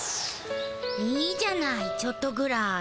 いいじゃないちょっとぐらい。